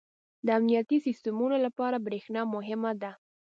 • د امنیتي سیسټمونو لپاره برېښنا مهمه ده.